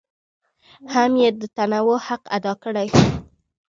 هم یې د تنوع حق ادا کړی.